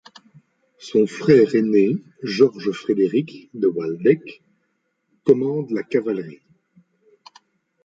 Son frère aîné Georges-Frédéric de Waldeck commande la cavalerie.